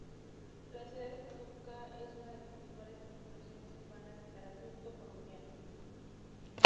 La ciudad de Cúcuta es una de las principales aglomeraciones urbanas del Catatumbo colombiano.